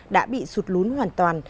đã bị sụt lún hoàn toàn